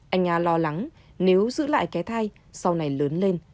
anh nga lo lắng nếu giữ lại cái thai sau này lớn lên